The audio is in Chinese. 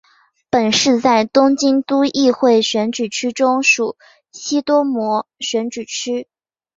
本市在东京都议会选举区中属西多摩选举区。